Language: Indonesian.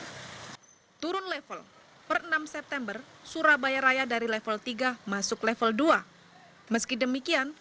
hai turun level per enam september surabaya raya dari level tiga masuk level dua meski demikian